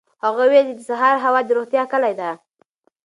هغه وویل چې د سهار هوا د روغتیا کلي ده.